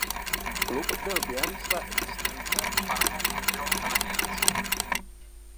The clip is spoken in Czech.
Klub byl během své existence farmou Montrealu Canadiens.